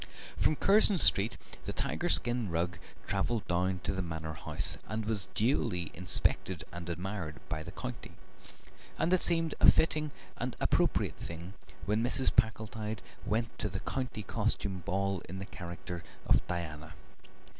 From Curzon Street the tiger skin rug travelled down to the Manor House, and was duly inspected and admired by the county, and it seemed a fitting and appropriate thing when Mrs. Packletide went to the County Costume Ball in the character of Diana.